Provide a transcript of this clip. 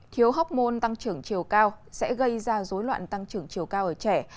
thiếu hóc môn tăng trưởng chiều cao sẽ gây ra dối loạn tăng trưởng chiều cao ở trẻ